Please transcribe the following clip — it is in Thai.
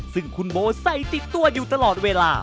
ซึ่งคุณโบใส่ติดตัวอยู่ตลอดเวลา